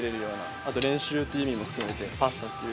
あと練習って意味も含めてパスタっていう。